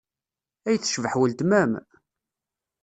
Ay tecbeḥ weltma-m!